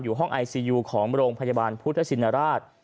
ห้องไอซียูของโรงพยาบาลพุทธชินราช